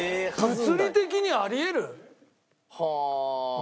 物理的にあり得る？はあ。